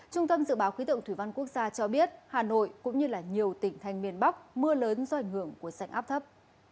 trung tâm dự báo khí tượng thủy văn quốc gia cho biết hà nội cũng như nhiều tỉnh thành miền bắc mưa lớn do ảnh hưởng của sảnh áp thấp